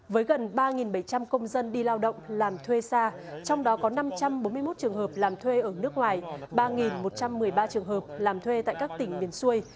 với gần ba bảy trăm linh công dân đi lao động làm thuê xa trong đó có năm trăm bốn mươi một trường hợp làm thuê ở nước ngoài ba một trăm một mươi ba trường hợp làm thuê tại các tỉnh miền xuôi